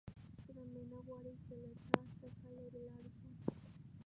زړه مې نه غواړي چې له تا څخه لیرې لاړ شم.